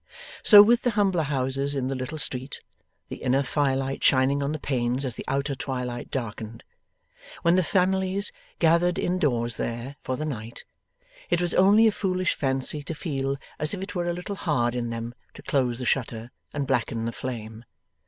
So with the humbler houses in the little street, the inner firelight shining on the panes as the outer twilight darkened. When the families gathered in doors there, for the night, it was only a foolish fancy to feel as if it were a little hard in them to close the shutter and blacken the flame.